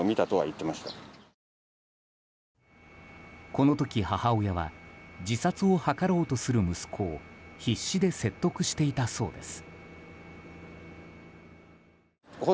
この時、母親は自殺を図ろうとする息子を必死で説得していたそうです。